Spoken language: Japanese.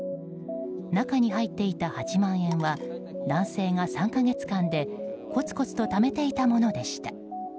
中に入っていた８万円は男性が３か月間でコツコツとためていたものでした。